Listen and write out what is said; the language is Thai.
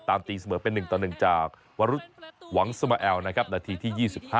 ตามตีเสมอเป็นหนึ่งต่อหนึ่งจากวรุธหวังสมแอลนะครับนาทีที่๒๕